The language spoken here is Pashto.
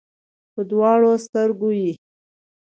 په دواړو سترګو کې یې